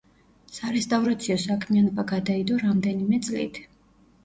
სარესტავრაციო საქმიანობა გადაიდო რამდენიმე წლით.